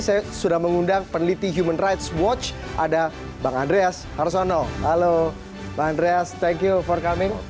saya sudah mengundang peneliti human rights watch ada bang andreas harsono halo bang andreas thank you forcoming